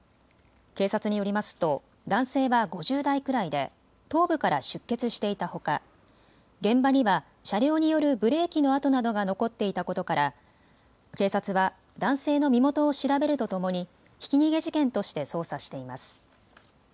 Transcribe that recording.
警察によりますと男性は５０代くらいで頭部から出血していたほか現場には車両によるブレーキの跡などが残っていたことから警察は男性の身元を調べるとともにひき逃げ事件として捜査しています。